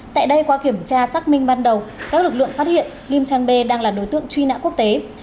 tại đây qua kiểm tra xác minh ban đầu các lực lượng phát hiện lim trang b đang là đối tượng truy nã quốc tế